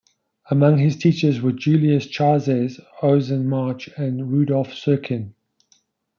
Among his teachers were Julius Chajes, Ozan Marsh and Rudolf Serkin.